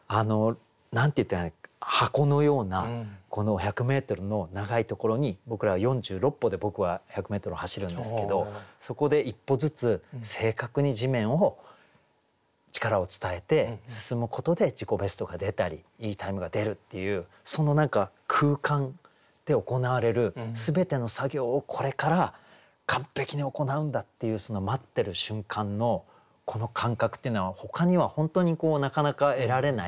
箱のようなこの１００メートルの長いところに僕らは４６歩で僕は１００メートルを走るんですけどそこで一歩ずつ正確に地面を力を伝えて進むことで自己ベストが出たりいいタイムが出るっていうその何か空間で行われる全ての作業をこれから完璧に行うんだっていうその待ってる瞬間のこの感覚っていうのはほかには本当になかなか得られない。